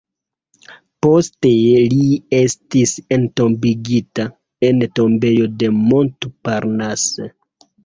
Poste li estis entombigita en tombejo de Montparnasse.